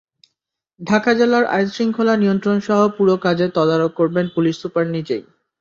ঢাকা জেলার আইন শৃঙ্খলা নিয়ন্ত্রণসহ পুরো কাজের তদারক করবেন পুলিশ সুপার নিজেই।